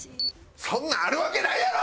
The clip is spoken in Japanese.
そんなんあるわけないやろ！